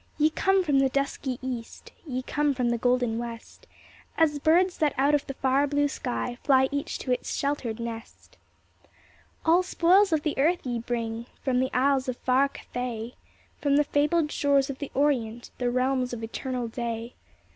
Ye come from the dusky East, Ye come from the golden West, As birds that out of the far blue sky Fly each to its sheltered nest. All spoils of the earth ye bring ; From the isles of far Cathay, From the fabled shores of the Orient, The realms of eternal day.